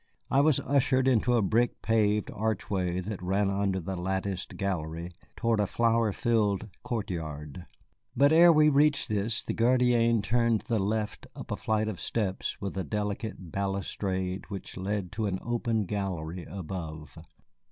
I was ushered into a brick paved archway that ran under the latticed gallery toward a flower filled court yard, but ere we reached this the gardienne turned to the left up a flight of steps with a delicate balustrade which led to an open gallery above.